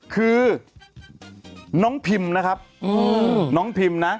คือน้องพิมนะครับน้องพิมนะ